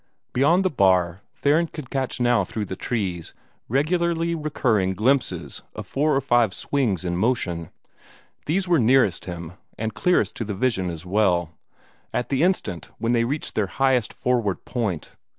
Beyond the bar, Theron could catch now through the trees regularly recurring glimpses of four or five swings in motion. These were nearest him, and clearest to the vision as well, at the instant when they reached their highest forward point.